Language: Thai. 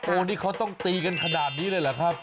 นี่เขาต้องตีกันขนาดนี้เลยเหรอครับ